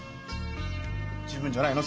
十分じゃないの？